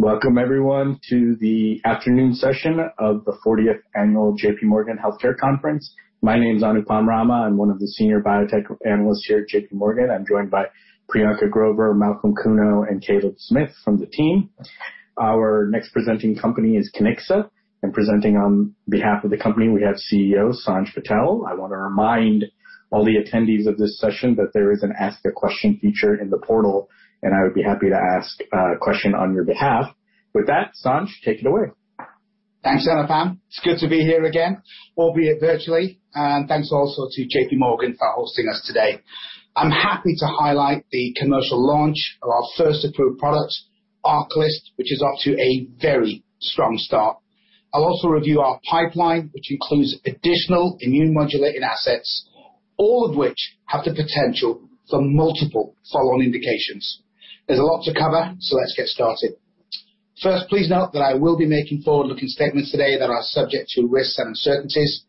Welcome everyone, to the afternoon session of the JPMorgan 40th Annual Healthcare conference. My name is Anupam Rama. I'm one of the Senior Biotech Analysts here at JPMorgan. I'm joined by Priyanka Grover, Malcolm Cuno, and Caleb Smith from the team. Our next presenting company is Kiniksa. Presenting on behalf of the company, we have CEO Sanj Patel. I want to remind all the attendees of this session that there is an Ask a Question feature in the portal, and I would be happy to ask a question on your behalf. With that, Sanj, take it away. Thanks, Anupam. It's good to be here again, albeit virtually. Thanks also to JPMorgan for hosting us today. I'm happy to highlight the commercial launch of our first approved product, ARCALYST, which is off to a very strong start. I'll also review our pipeline, which includes additional immune-modulating assets, all of which have the potential for multiple follow-on indications. There's a lot to cover, so let's get started. First, please note that I will be making forward-looking statements today that are subject to risks and uncertainties.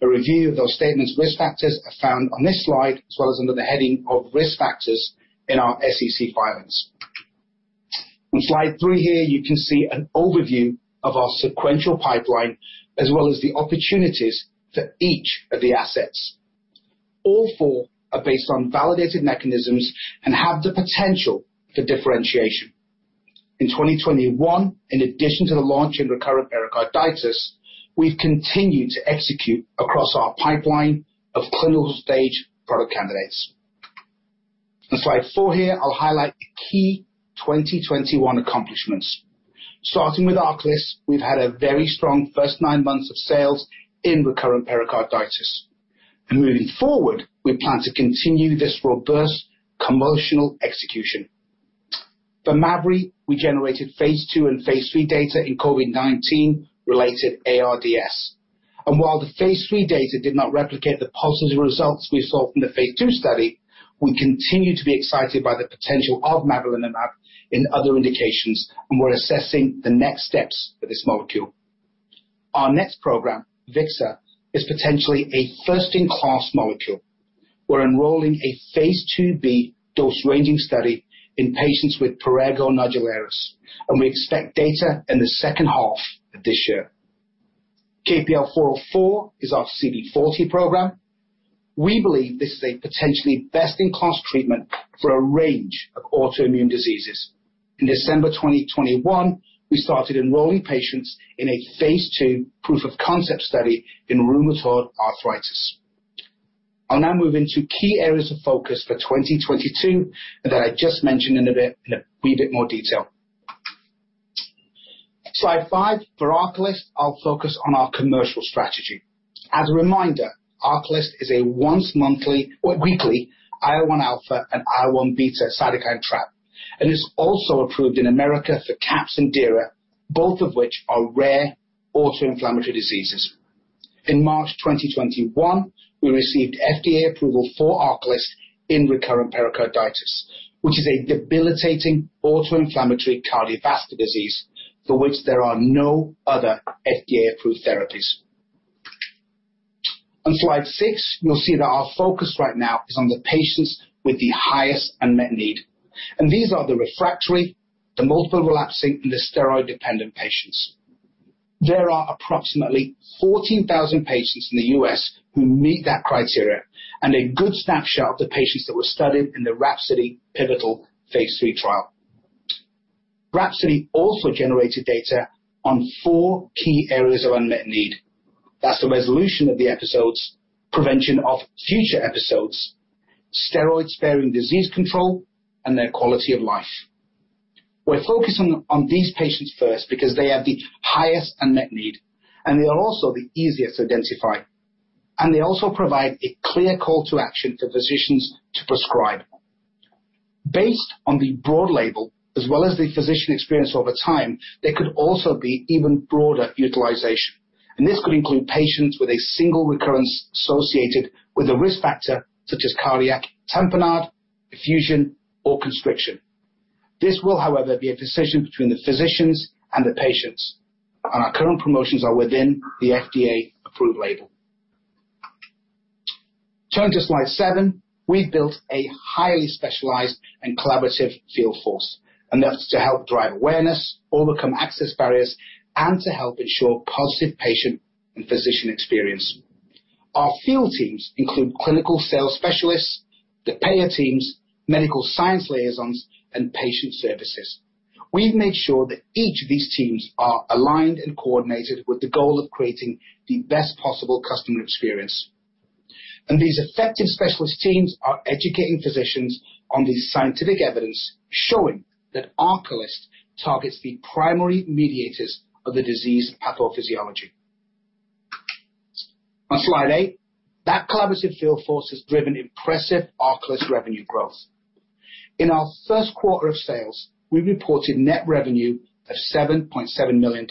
A review of those statements' risk factors are found on this slide, as well as under the heading of Risk Factors in our SEC filings. On slide three here, you can see an overview of our sequential pipeline as well as the opportunities for each of the assets. All four are based on validated mechanisms and have the potential for differentiation. In 2021, in addition to the launch in recurrent pericarditis, we continued to execute across our pipeline of clinical-stage product candidates. On slide four here, I'll highlight the key 2021 accomplishments. Starting with ARCALYST, we've had a very strong first nine months of sales in recurrent pericarditis. Moving forward, we plan to continue this robust commercial execution. For mavrilimumab, we generated phase II and phase III data in COVID-19-related ARDS. While the phase III data did not replicate the positive results we saw from the phase II study, we continue to be excited by the potential of mavrilimumab in other indications, and we're assessing the next steps for this molecule. Our next program, VIXA, is potentially a first-in-class molecule. We're enrolling a phase II-B dose-ranging study in patients with prurigo nodularis, and we expect data in the second half of this year. KPL-404 is our CD40 program. We believe this is a potentially best-in-class treatment for a range of autoimmune diseases. In December 2021, we started enrolling patients in a phase II proof-of-concept study in rheumatoid arthritis. I'll now move into key areas of focus for 2022 that I just mentioned in a bit, in a wee bit more detail. Slide five. For ARCALYST, I'll focus on our commercial strategy. As a reminder, ARCALYST is a once-monthly or weekly IL-1α and IL-1β cytokine trap and is also approved in America for CAPS and DIRA, both of which are rare autoinflammatory diseases. In March 2021, we received FDA approval for ARCALYST in recurrent pericarditis, which is a debilitating autoinflammatory cardiovascular disease for which there are no other FDA-approved therapies. On slide six, you'll see that our focus right now is on the patients with the highest unmet need, and these are the refractory, the multiple relapsing, and the steroid-dependent patients. There are approximately 14,000 patients in the U.S. who meet that criteria, and a good snapshot of the patients that were studied in the RHAPSODY pivotal phase III trial. RHAPSODY also generated data on four key areas of unmet need. That's the resolution of the episodes, prevention of future episodes, steroid-sparing disease control, and their quality of life. We're focusing on these patients first because they have the highest unmet need, and they are also the easiest to identify. They also provide a clear call to action for physicians to prescribe. Based on the broad label as well as the physician experience over time, there could also be even broader utilization, and this could include patients with a single recurrence associated with a risk factor such as cardiac tamponade, effusion, or constriction. This will, however, be a decision between the physicians and the patients, and our current promotions are within the FDA-approved label. Turning to Slide seven. We've built a highly specialized and collaborative field force, and that's to help drive awareness, overcome access barriers, and to help ensure a positive patient and physician experience. Our field teams include clinical sales specialists, the payer teams, medical science liaisons, and patient services. We've made sure that each of these teams are aligned and coordinated with the goal of creating the best possible customer experience. These effective specialist teams are educating physicians on the scientific evidence showing that ARCALYST targets the primary mediators of the disease pathophysiology. On slide eight. That collaborative field force has driven impressive ARCALYST revenue growth. In our first quarter of sales, we reported net revenue of $7.7 million.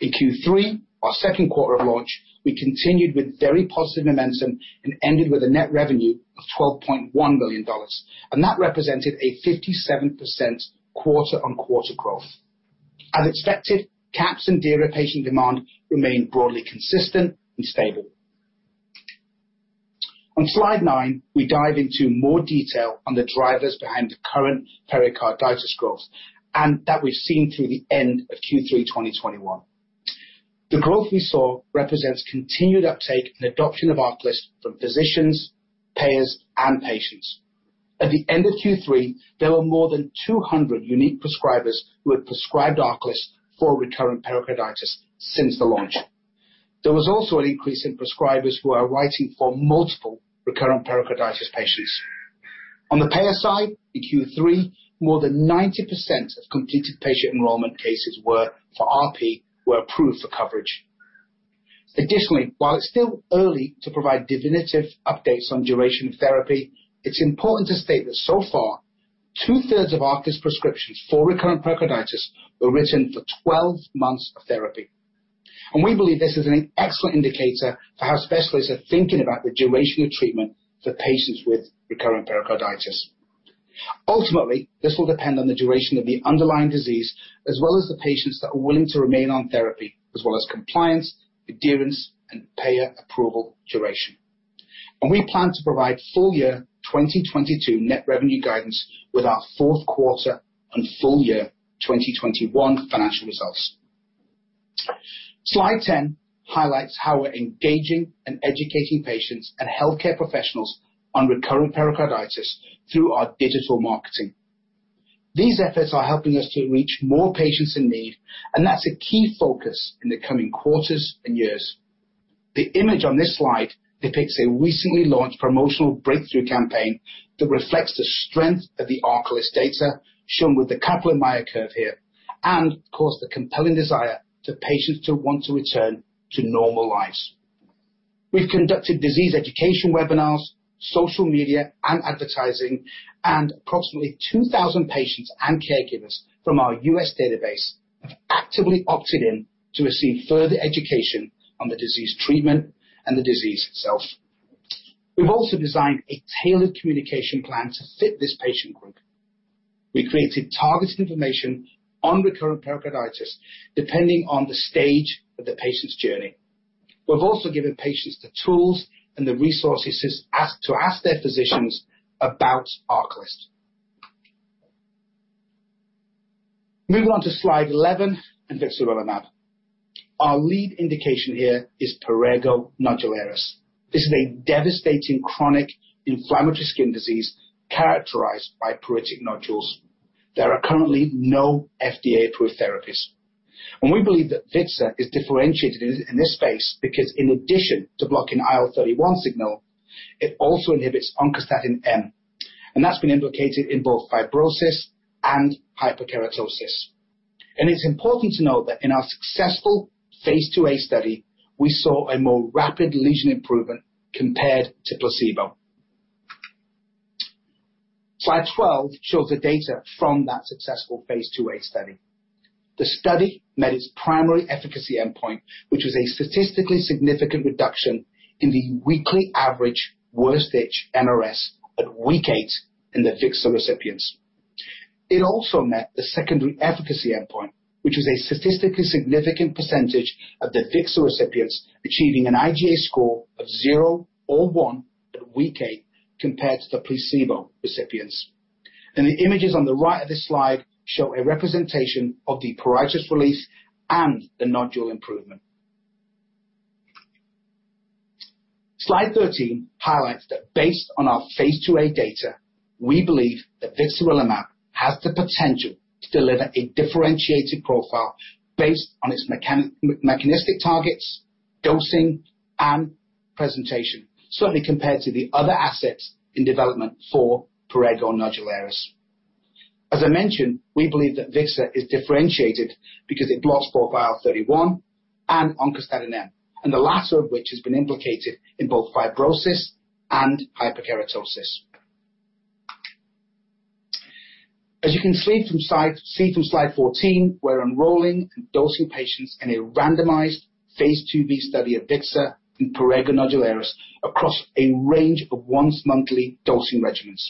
In Q3, our second quarter of launch, we continued with very positive momentum and ended with a net revenue of $12.1 million, and that represented a 57% quarter-on-quarter growth. As expected, CAPS and DIRA patient demand remained broadly consistent and stable. On slide nine, we dive into more detail on the drivers behind the current pericarditis growth, and that we've seen through the end of Q3 2021. The growth we saw represents continued uptake and adoption of ARCALYST from physicians, payers, and patients. At the end of Q3, there were more than 200 unique prescribers who had prescribed ARCALYST for recurrent pericarditis since the launch. There was also an increase in prescribers who are writing for multiple recurrent pericarditis patients. On the payer side, in Q3, more than 90% of completed patient enrollment cases for RP were approved for coverage. Additionally, while it's still early to provide definitive updates on the duration of therapy, it's important to state that so far, two-thirds of ARCALYST prescriptions for recurrent pericarditis were written for 12 months of therapy. We believe this is an excellent indicator for how specialists are thinking about the duration of treatment for patients with recurrent pericarditis. Ultimately, this will depend on the duration of the underlying disease, as well as the patients who are willing to remain on therapy, as well as compliance, adherence, and payer approval duration. We plan to provide full-year 2022 net revenue guidance with our fourth quarter and full-year 2021 financial results. Slide 10 highlights how we're engaging and educating patients and healthcare professionals on recurrent pericarditis through our digital marketing. These efforts are helping us to reach more patients in need, and that's a key focus in the coming quarters and years. The image on this slide depicts a recently launched promotional breakthrough campaign that reflects the strength of the ARCALYST data shown with the Kaplan-Meier curve here, and of course, the compelling desire to patients to want to return to normal lives. We've conducted disease education webinars, social media, and advertising, and approximately 2,000 patients and caregivers from our U.S. database have actively opted in to receive further education on the disease treatment and the disease itself. We've also designed a tailored communication plan to fit this patient group. We created targeted information on recurrent pericarditis depending on the stage of the patient's journey. We've also given patients the tools and the resources to ask their physicians about ARCALYST. Moving on to slide 11 and vixarelimab. Our lead indication here is prurigo nodularis. This is a devastating chronic inflammatory skin disease characterized by pruritic nodules. There are currently no FDA-approved therapies. We believe that VIXA is differentiated in this space because, in addition to blocking IL-31 signal, it also inhibits oncostatin M, and that's been implicated in both fibrosis and hyperkeratosis. It's important to note that in our successful phase II-A study, we saw a more rapid lesion improvement compared to placebo. Slide 12 shows the data from that successful phase II-A study. The study met its primary efficacy endpoint, which was a statistically significant reduction in the weekly average worst itch NRS at week eight in the VIXA recipients. It also met the secondary efficacy endpoint, which was a statistically significant percentage of the VIXA recipients achieving an IGA score of zero or one at week eight compared to the placebo recipients. The images on the right of this slide show a representation of the pruritus relief and the nodule improvement. Slide 13 highlights that, based on our phase II-A data, we believe that vixarelimab has the potential to deliver a differentiated profile based on its mechanistic targets, dosing, and presentation, certainly compared to the other assets in development for prurigo nodularis. As I mentioned, we believe that VIXA is differentiated because it blocks both IL-31 and oncostatin M, and the latter of which has been implicated in both fibrosis and hyperkeratosis. As you can see from slide 14, we're enrolling and dosing patients in a randomized phase II-B study of VIXA in prurigo nodularis across a range of once-monthly dosing regimens.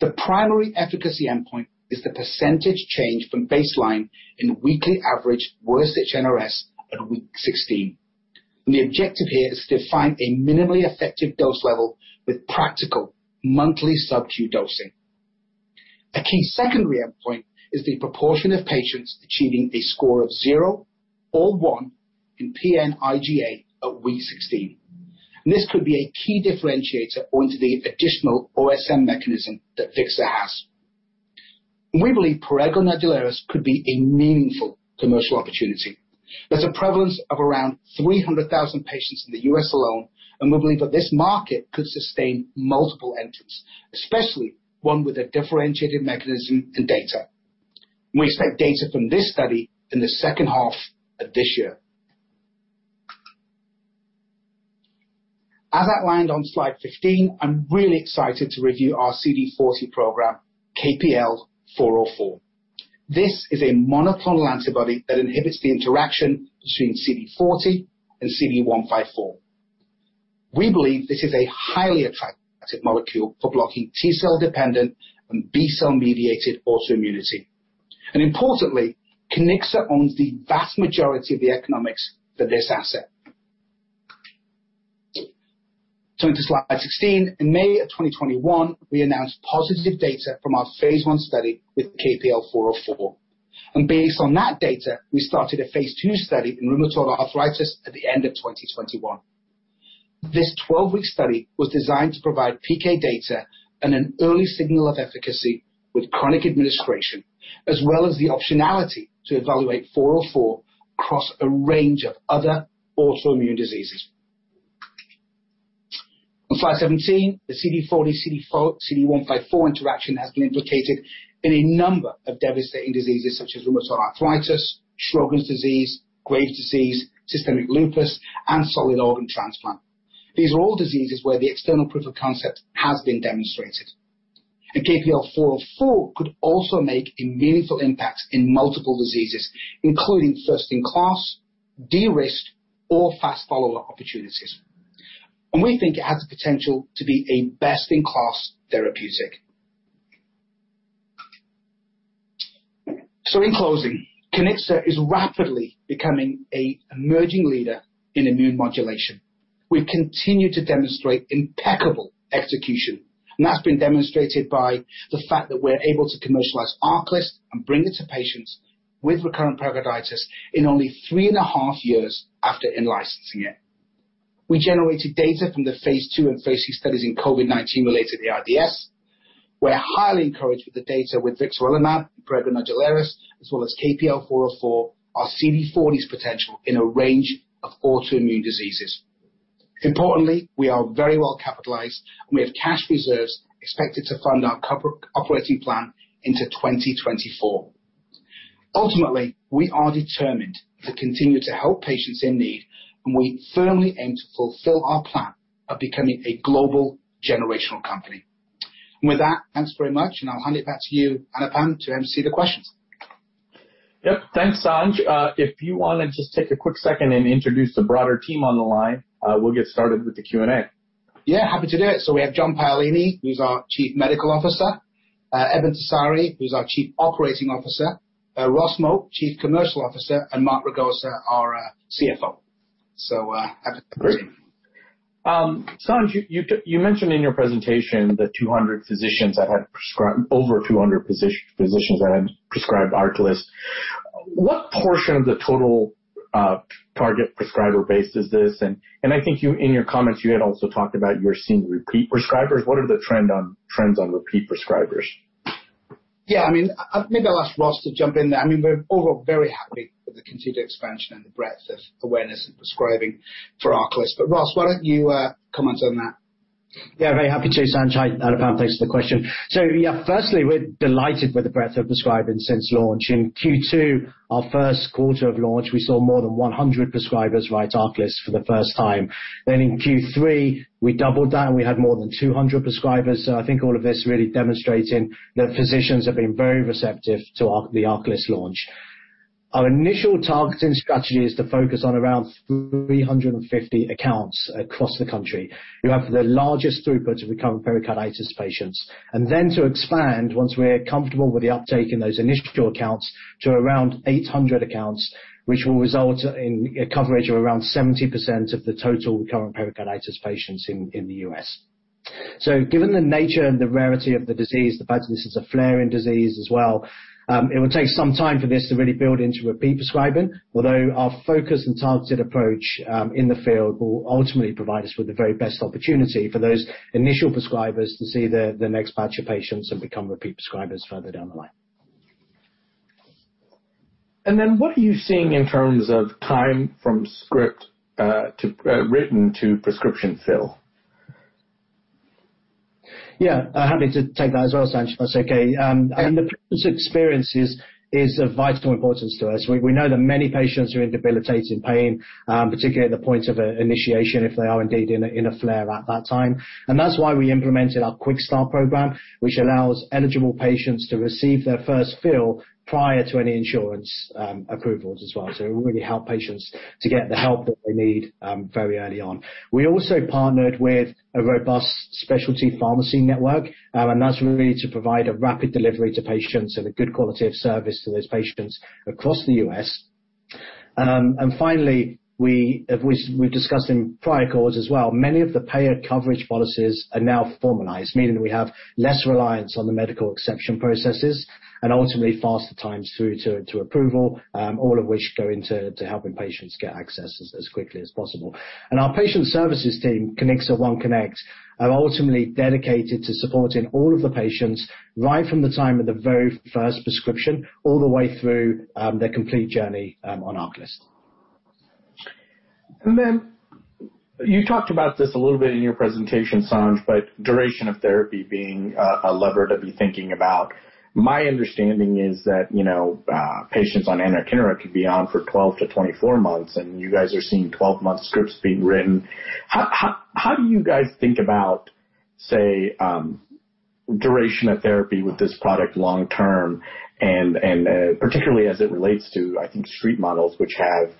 The primary efficacy endpoint is the percentage change from baseline in weekly average worst itch NRS at week 16. The objective here is to define a minimally effective dose level with practical monthly subQ dosing. A key secondary endpoint is the proportion of patients achieving a score of zero or one in PN-IGA at week 16. This could be a key differentiator owing to the additional OSM mechanism that VIXA has. We believe prurigo nodularis could be a meaningful commercial opportunity. There's a prevalence of around 300,000 patients in the U.S. alone, and we believe that this market could sustain multiple entrants, especially one with a differentiated mechanism and data. We expect data from this study in the second half of this year. As outlined on slide 15, I'm really excited to review our CD40 program, KPL-404. This is a monoclonal antibody that inhibits the interaction between CD40 and CD154. We believe this is a highly attractive molecule for blocking T-cell-dependent and B-cell-mediated autoimmunity. Importantly, Kiniksa owns the vast majority of the economics for this asset. Turning to slide 16. In May of 2021, we announced positive data from our phase I study with KPL-404. Based on that data, we started a phase II study in rheumatoid arthritis at the end of 2021. This 12-week study was designed to provide PK data and an early signal of efficacy with chronic administration, as well as the optionality to evaluate KPL-404 across a range of other autoimmune diseases. On slide 17, the CD40-CD154 interaction has been implicated in a number of devastating diseases such as rheumatoid arthritis, Sjögren's disease, Graves' disease, systemic lupus, and solid organ transplant. These are all diseases where the external proof of concept has been demonstrated. KPL-404 could also make a meaningful impact in multiple diseases, including first-in-class, de-risked, or fast follow-up opportunities. We think it has the potential to be a best-in-class therapeutic. In closing, Kiniksa is rapidly becoming an emerging leader in immune modulation. We've continued to demonstrate impeccable execution, and that's been demonstrated by the fact that we're able to commercialize ARCALYST and bring it to patients with recurrent pericarditis in only three and a half years after in-licensing it. We generated data from the phase II and phase III studies in COVID-19-related ARDS. We're highly encouraged with the data with vixarelimab in progressive myositis, as well as KPL-404, our CD40's potential in a range of autoimmune diseases. Importantly, we are very well capitalized, and we have cash reserves expected to fund our operating plan into 2024. Ultimately, we are determined to continue to help patients in need, and we firmly aim to fulfill our plan of becoming a global generational company. With that, thanks very much, and I'll hand it back to you, Anupam, to MC the questions. Yep. Thanks, Sanj. If you wanna just take a quick second and introduce the broader team on the line, we'll get started with the Q&A. Yeah, happy to do it. We have John Paolini, who's our Chief Medical Officer, Eben Tessari, who's our Chief Operating Officer, Ross Moat, Chief Commercial Officer, and Mark Ragosa, our CFO. Great. Sanj, you mentioned in your presentation that over 200 physicians had prescribed ARCALYST. What portion of the total target prescriber base is this? I think you, in your comments, you had also talked about you're seeing repeat prescribers. What are the trends on repeat prescribers? I mean, maybe I'll ask Ross to jump in there. I mean, we're overall very happy with the continued expansion and the breadth of awareness and prescribing for ARCALYST. Ross, why don't you comment on that? Yeah, very happy to, Sanj. Anupam, thanks for the question. Yeah, firstly, we're delighted with the breadth of prescribing since launch. In Q2, our first quarter of launch, we saw more than 100 prescribers write ARCALYST for the first time. In Q3, we doubled that, and we had more than 200 prescribers. I think all of this really demonstrating that physicians have been very receptive to the ARCALYST launch. Our initial targeting strategy is to focus on around 350 accounts across the country that have the largest throughput of recurrent pericarditis patients. Then, to expand, once we're comfortable with the uptake in those initial accounts, to around 800 accounts, which will result in a coverage of around 70% of the total recurrent pericarditis patients in the U.S. Given the nature and the rarity of the disease, the fact that this is a flaring disease as well, it will take some time for this to really build into repeat prescribing. Although our focus and targeted approach in the field will ultimately provide us with the very best opportunity for those initial prescribers to see the next batch of patients and become repeat prescribers further down the line. What are you seeing in terms of time from script to written to prescription fill? Yeah. Happy to take that as well, Sanj, if that's okay. I mean, the patient experience is of vital importance to us. We know that many patients are in debilitating pain, particularly at the point of initiation, if they are indeed in a flare at that time. That's why we implemented our Quick Start program, which allows eligible patients to receive their first fill prior to any insurance approvals as well. It will really help patients to get the help that they need very early on. We also partnered with a robust specialty pharmacy network, and that's really to provide a rapid delivery to patients and a good quality of service to those patients across the U.S. Finally, we've discussed in prior calls as well, many of the payer coverage policies are now formalized, meaning we have less reliance on the medical exception processes and ultimately faster times through to approval, all of which go into helping patients get access as quickly as possible. Our patient services team, Kiniksa OneConnect, are ultimately dedicated to supporting all of the patients right from the time of the very first prescription all the way through their complete journey on ARCALYST. You talked about this a little bit in your presentation, Sanj, but the duration of therapy being a lever to be thinking about. My understanding is that, you know, patients on anakinra could be on for 12-24 months, and you guys are seeing 12-month scripts being written. How do you guys think about, say, duration of therapy with this product long-term, and particularly as it relates to, I think, Street models, which have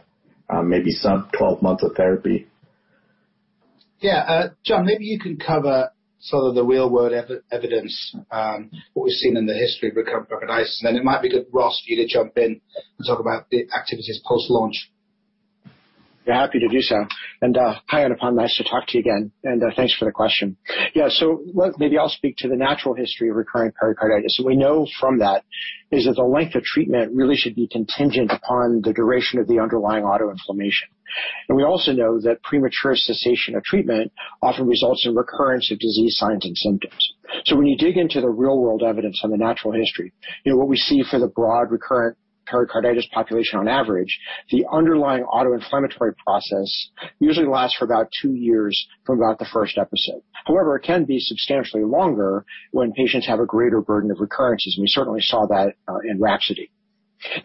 maybe some 12 months of therapy? Yeah. John, maybe you can cover some of the real-world evidence, what we've seen in the history of recurrent pericarditis. It might be good, Ross, for you to jump in and talk about the activities post-launch. Yeah, happy to do so. Hi Anupam, nice to talk to you again. Thanks for the question. Yeah. Maybe I'll speak to the natural history of recurrent pericarditis. We know from that is that the length of treatment really should be contingent upon the duration of the underlying autoinflammation. We also know that premature cessation of treatment often results in recurrence of disease signs and symptoms. When you dig into the real-world evidence on the natural history, you know, what we see for the broad recurrent pericarditis population on average, the underlying autoinflammatory process usually lasts for about two years from about the first episode. However, it can be substantially longer when patients have a greater burden of recurrences, and we certainly saw that in RHAPSODY.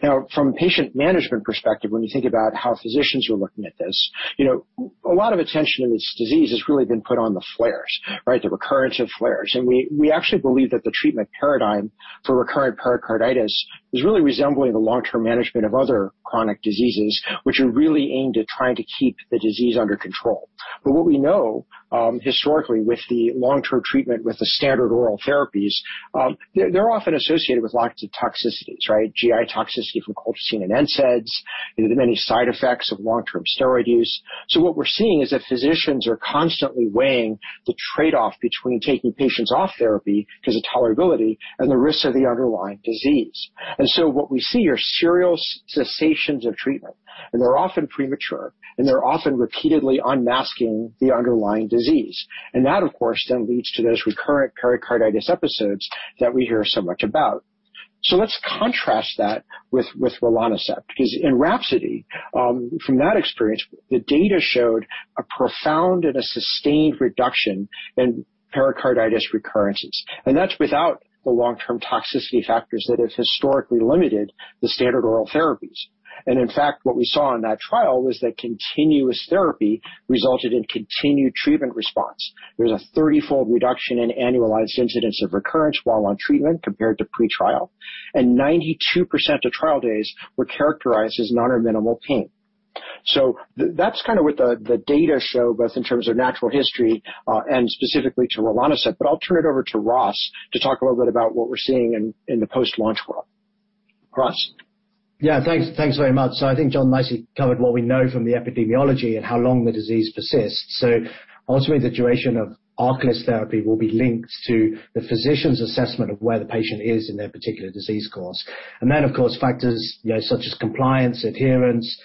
Now, from a patient management perspective, when you think about how physicians are looking at this, you know, a lot of attention in this disease has really been put on the flares, right? The recurrence of flares. We actually believe that the treatment paradigm for recurrent pericarditis is really resembling the long-term management of other chronic diseases, which are really aimed at trying to keep the disease under control. What we know, historically, with the long-term treatment with the standard oral therapies, they're often associated with lots of toxicities, right? GI toxicity from colchicine and NSAIDs, you know, the many side effects of long-term steroid use. What we're seeing is that physicians are constantly weighing the trade-off between taking patients off therapy 'cause of tolerability and the risks of the underlying disease. What we see are serial cessations of treatment, and they're often premature, and they're often repeatedly unmasking the underlying disease. That, of course, then leads to those recurrent pericarditis episodes that we hear so much about. Let's contrast that with rilonacept, because in RHAPSODY, from that experience, the data showed a profound and sustained reduction in pericarditis recurrences. That's without the long-term toxicity factors that have historically limited the standard oral therapies. In fact, what we saw in that trial was that continuous therapy resulted in continued treatment response. There's a 30-fold reduction in annualized incidence of recurrence while on treatment compared to pre-trial, and 92% of trial days were characterized as none or minimal pain. That's kinda what the data show, both in terms of natural history, and specifically to rilonacept, but I'll turn it over to Ross to talk a little bit about what we're seeing in the post-launch world. Ross. Yeah. Thanks. Thanks very much. I think John nicely covered what we know from the epidemiology and how long the disease persists. Ultimately, the duration of ARCALYST therapy will be linked to the physician's assessment of where the patient is in their particular disease course. Then, of course, factors, you know, such as compliance, adherence,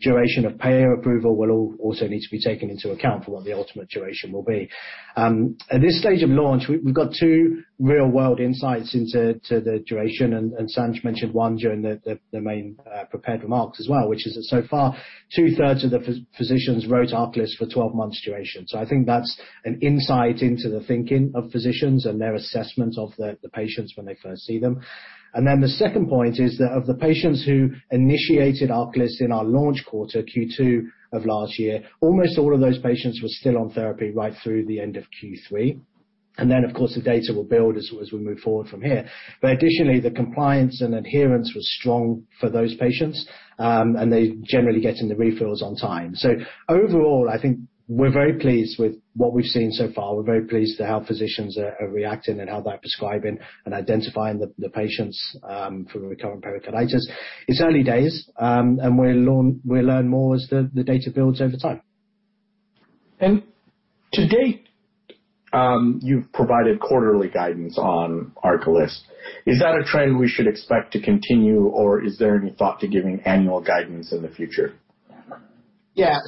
duration of payer approval, will also need to be taken into account for what the ultimate duration will be. At this stage of launch, we've got two real-world insights into the duration, and Sanj mentioned one during the main prepared remarks as well, which is that so far, two-thirds of the physicians wrote ARCALYST for a 12-month duration. I think that's an insight into the thinking of physicians and their assessment of the patients when they first see them. Then the second point is that of the patients who initiated ARCALYST in our launch quarter, Q2 of last year, almost all of those patients were still on therapy right through the end of Q3. Then, of course, the data will build as we move forward from here. Additionally, the compliance and adherence was strong for those patients, and they're generally getting the refills on time. Overall, I think we're very pleased with what we've seen so far. We're very pleased with how physicians are reacting and how they're prescribing and identifying the patients for recurrent pericarditis. It's early days, and we'll learn more as the data builds over time. To date, you've provided quarterly guidance on ARCALYST. Is that a trend we should expect to continue, or is there any thought to giving annual guidance in the future? Yeah.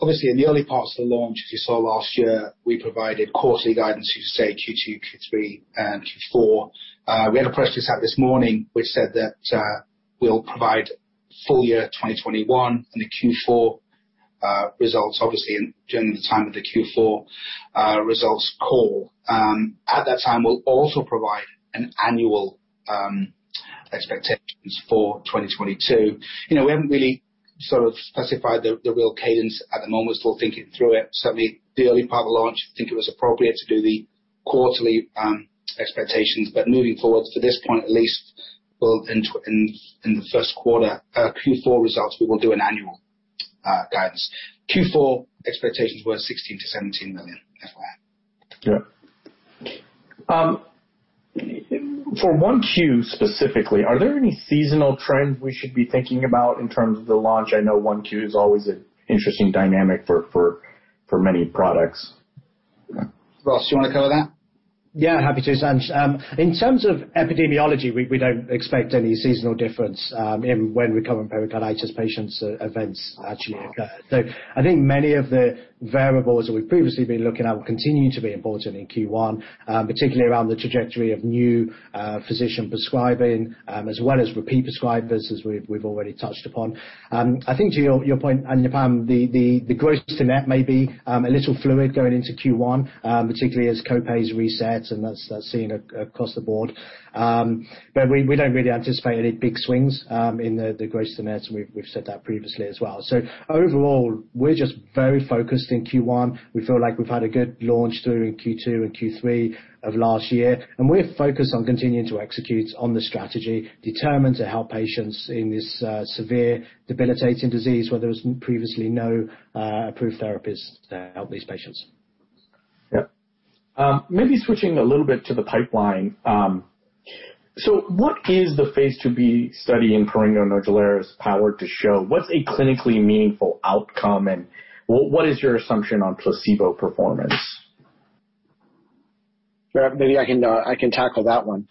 Obviously, in the early parts of the launch, as you saw last year, we provided quarterly guidance to say Q2, Q3, and Q4. We had a press release out this morning, which said that we'll provide full-year 2021 and the Q4 results, obviously during the time of the Q4 results call. At that time, we'll also provide an annual expectations for 2022. You know, we haven't really sort of specified the real cadence at the moment. We're still thinking through it. Certainly the early part of the launch, I think it was appropriate to do the quarterly expectations. Moving forward, from this point at least, we'll enter in the first quarter Q4 results, we will do an annual guidance. Q4 expectations were $16 million-$17 million FYI. Yep. For 1Q specifically, are there any seasonal trends we should be thinking about in terms of the launch? I know 1Q is always an interesting dynamic for many products. Ross, do you wanna cover that? Yeah, happy to, Sanj. In terms of epidemiology, we don't expect any seasonal difference in when recurrent pericarditis patient events actually occur. I think many of the variables that we've previously been looking at will continue to be important in Q1, particularly around the trajectory of new physician prescribing, as well as repeat prescribers, as we've already touched upon. I think to your point, Anupam, the gross to net may be a little fluid going into Q1, particularly as copays reset, and that's seen across the board. We don't really anticipate any big swings in the gross to nets, and we've said that previously as well. Overall, we're just very focused in Q1. We feel like we've had a good launch through in Q2 and Q3 of last year, and we're focused on continuing to execute on the strategy, determined to help patients in this severe, debilitating disease where there was previously no approved therapies to help these patients. Yeah. Maybe switching a little bit to the pipeline. What is the phase II-B study in prurigo nodularis powered to show? What's a clinically meaningful outcome, and what is your assumption on placebo performance? Yeah. Maybe I can tackle that one.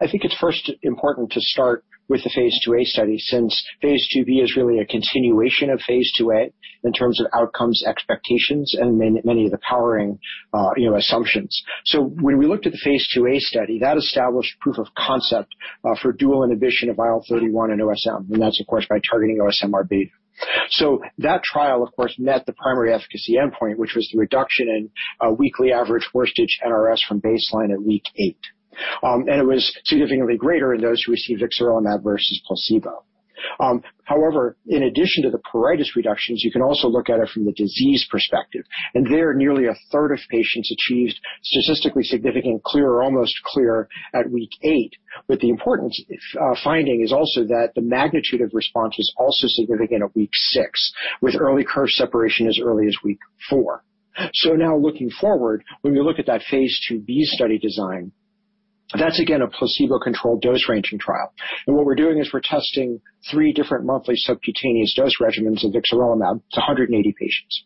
I think it's first important to start with the phase II-A study, since phase II-B is really a continuation of phase II-A in terms of outcomes, expectations, and many of the powering, you know, assumptions. When we looked at the phase II-A study, that established proof of concept for dual inhibition of IL-31 and OSM, and that's of course by targeting OSMRβ. That trial, of course, met the primary efficacy endpoint, which was the reduction in weekly average worst-itch NRS from baseline at week eight. And it was significantly greater in those who received vixarelimab versus placebo. However, in addition to the pruritus reductions, you can also look at it from the disease perspective, and there, nearly a third of patients achieved statistically significant clear or almost clear at week eight. The important finding is also that the magnitude of response is also significant at week six, with early curve separation as early as week four. Now looking forward, when we look at that phase II-B study design, that's again a placebo-controlled dose-ranging trial. What we're doing is we're testing three different monthly subcutaneous dose regimens of vixarelimab to 180 patients.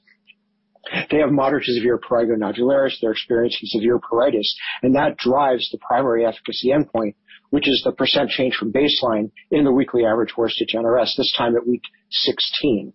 They have moderate to severe prurigo nodularis. They're experiencing severe pruritus, and that drives the primary efficacy endpoint, which is the percent change from baseline in the weekly average worst-itch NRS, this time at week 16.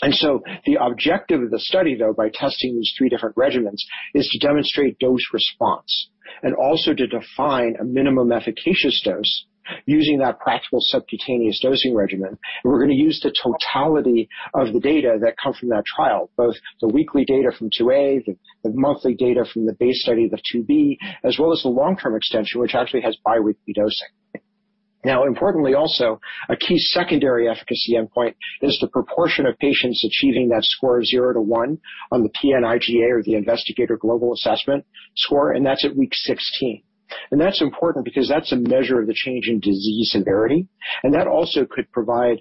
The objective of the study, though, by testing these three different regimens, is to demonstrate dose response and also to define a minimum efficacious dose using that practical subcutaneous dosing regimen. We're gonna use the totality of the data that comes from that trial, both the weekly data from II-A, the monthly data from the base study, II-B, as well as the long-term extension, which actually has bi-weekly dosing. Now, importantly also, a key secondary efficacy endpoint is the proportion of patients achieving that score of zero to one on the PN-IGA or the Investigator Global Assessment score, and that's at week 16. That's important because that's a measure of the change in disease severity, and that also could provide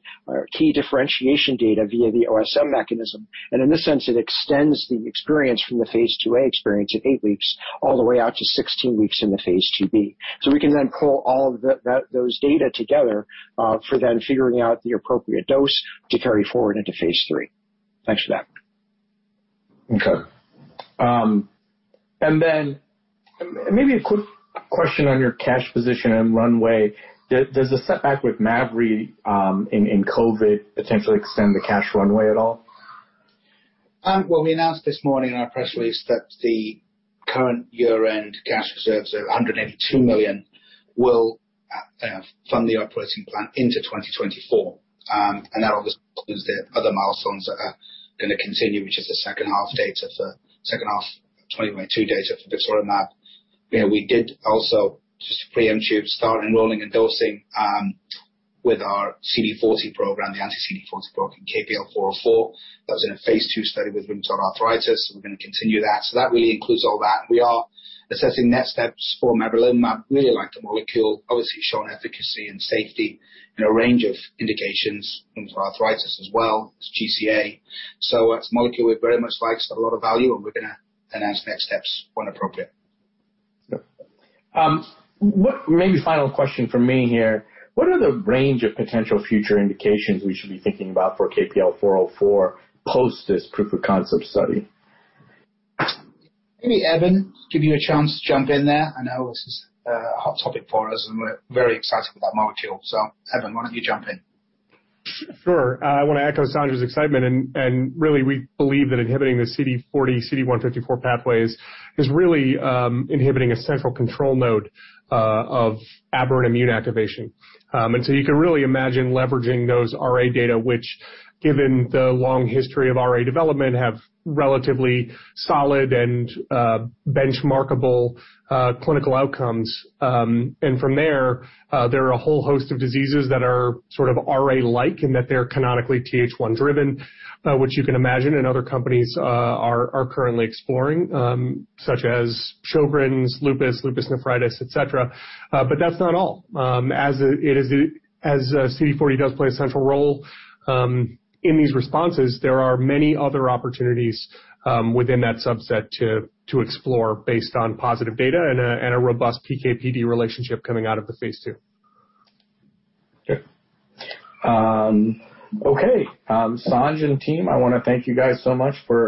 key differentiation data via the OSM mechanism. In this sense, it extends the experience from the phase II-A experience of eight weeks all the way out to 16 weeks in the phase II-B. We can then pull all of that data together for then figuring out the appropriate dose to carry forward into phase III. Thanks for that. Okay. Maybe a quick question on your cash position and runway. Does the setback with mavrilimumab in COVID potentially extend the cash runway at all? Well, we announced this morning in our press release that the current year-end cash reserves of $182 million will fund the operating plan into 2024. That obviously includes the other milestones that are gonna continue, which is the second half of 2022 data for vixarelimab. You know, we did also just preemptively start enrolling and dosing with our CD40 program, the anti-CD40 program, KPL-404. That was in a phase II study with rheumatoid arthritis, and we're gonna continue that. That really includes all that. We are assessing next steps for mavrilimumab. Really like the molecule. Obviously, shown efficacy and safety in a range of indications, rheumatoid arthritis as well as GCA. It's a molecule we very much like. It's got a lot of value, and we're gonna announce next steps when appropriate. Yep. Maybe final question from me here. What are the range of potential future indications we should be thinking about for KPL-404 post this proof of concept study? Maybe Eben, give you a chance to jump in there. I know this is a hot topic for us, and we're very excited about the molecule. Eben, why don't you jump in? Sure. I wanna echo Sanj's excitement. Really, we believe that inhibiting the CD40, CD154 pathways is really inhibiting a central control node of aberrant immune activation. You can really imagine leveraging those RA data, which, given the long history of RA development, have relatively solid and benchmarkable clinical outcomes. From there are a whole host of diseases that are sort of RA-like in that they're canonically Th1-driven, which you can imagine, and other companies are currently exploring, such as Sjögren's, lupus nephritis, et cetera. That's not all. As CD40 does play a central role in these responses, there are many other opportunities within that subset to explore based on positive data and a robust PK/PD relationship coming out of phase II. Okay. Sanj and team, I wanna thank you guys, so much for-